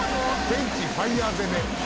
「“天地ファイヤー攻め”」